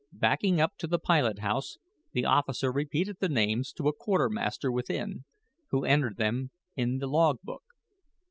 Backing up to the pilot house, the officer repeated the names to a quartermaster within, who entered them in the log book.